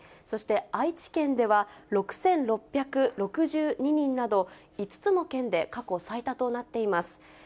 そして愛知県では、６６６２人など、５つの県で過去最多となっています。